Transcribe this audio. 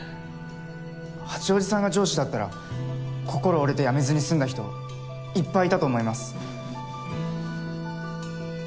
八王子さんが上司だったら心折れて辞めずに済んだ人いっぱいいたと思います。